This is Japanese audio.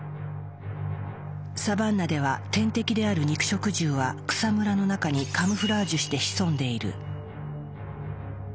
サバンナでは天敵である肉食獣は草むらの中にカムフラージュして潜んでいる。